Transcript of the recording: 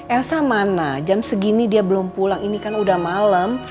elsa mana jam segini dia belum pulang ini kan udah malam